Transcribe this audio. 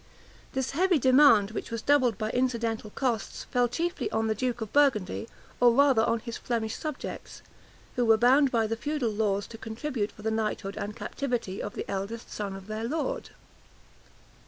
This heavy demand, which was doubled by incidental costs, fell chiefly on the duke of Burgundy, or rather on his Flemish subjects, who were bound by the feudal laws to contribute for the knighthood and captivity of the eldest son of their lord.